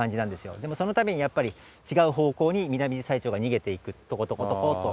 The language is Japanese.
でもそのたびにやっぱり、違う方向にミナミジサイチョウが逃げていく、とことことこと。